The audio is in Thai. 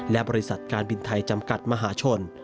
และบริษัทการบินไทยจำกัดมหาชน